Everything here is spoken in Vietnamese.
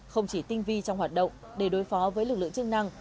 không chỉ tinh vi trong hoạt động để đối phó với lực lượng chức năng